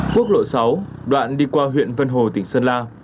quốc lộ sáu đoạn đi qua huyện vân hồ tỉnh sơn la